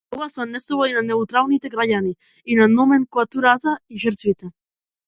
Тоа се однесува и на неутралните граѓани, и на номенклатурата, и на жртвите.